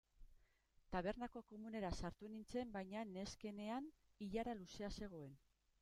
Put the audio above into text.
Tabernako komunera sartu nintzen baina neskenean ilara luzea zegoen.